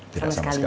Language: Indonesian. tidak sama sekali